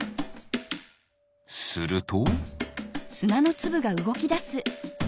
すると。